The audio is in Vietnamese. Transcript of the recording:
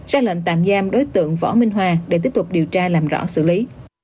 ra lệnh tạm giam đối tượng võ minh hòa để tiếp tục điều tra làm rõ xử lý